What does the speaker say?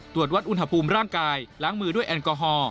ตรวจวัดอุณหภูมิร่างกายล้างมือด้วยแอลกอฮอล